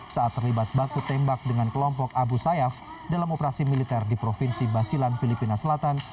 saat terlibat baku tembak dengan kelompok abu sayyaf dalam operasi militer di provinsi basilan filipina selatan